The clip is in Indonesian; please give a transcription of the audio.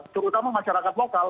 terutama masyarakat lokal